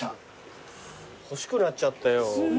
欲しくなっちゃったよ。